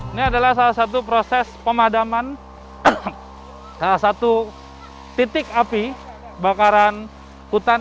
ini adalah salah satu proses pemadaman salah satu titik api bakaran hutan